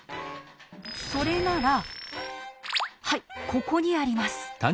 それならはいここにあります。